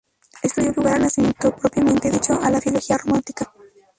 Esto dio lugar al nacimiento propiamente dicho de la filología Románica.